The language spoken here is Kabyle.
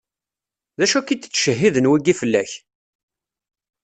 D acu akka i d-ttcehhiden wigi fell-ak?